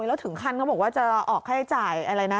แล้วถึงขั้นเขาบอกว่าจะออกค่าใช้จ่ายอะไรนะ